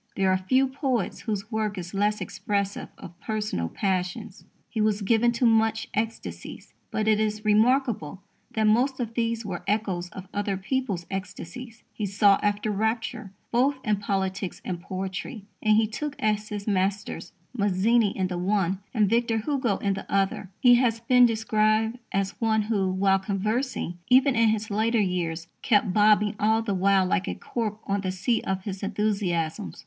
There are few poets whose work is less expressive of personal passions. He was much given to ecstasies, but it is remarkable that most of these were echoes of other people's ecstasies. He sought after rapture both in politics and poetry, and he took as his masters Mazzini in the one and Victor Hugo in the other. He has been described as one who, while conversing, even in his later years, kept "bobbing all the while like a cork on the sea of his enthusiasms."